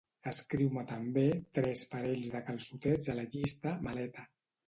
Escriu-me també tres parells de calçotets a la llista "maleta".